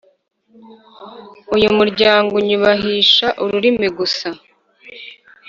«Uyu muryango unyubahisha ururimi gusa,